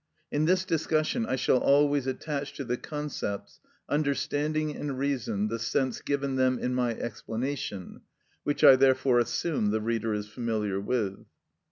In this discussion I shall always attach to the concepts understanding and reason the sense given them in my explanation, which I therefore assume the reader is familiar with.